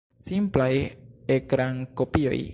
Simplaj ekrankopioj.